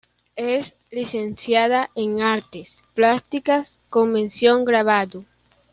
Es Licenciada en Artes Plásticas con mención Grabado.